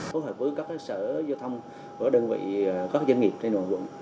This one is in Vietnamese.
phối hợp với các sở giao thông của đơn vị các doanh nghiệp trên nguồn quận